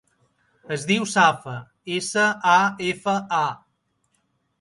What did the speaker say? Es diu Safa: essa, a, efa, a.